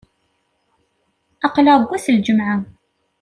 Aql-aɣ deg ass n lǧemɛa.